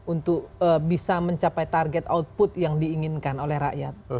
untuk bisa mencapai target output yang diinginkan oleh rakyat